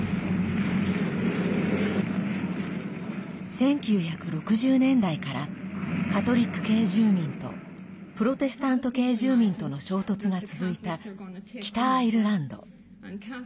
１９６０年代からカトリック系住民とプロテスタント系住民との衝突が続いた、北アイルランド。